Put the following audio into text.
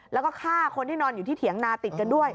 แล้วก็ฆ่าคนที่นอนอยู่ที่เถียงนาติดกันด้วย